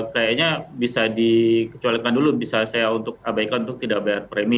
kayaknya bisa dikecualikan dulu bisa saya untuk abaikan untuk tidak bayar premi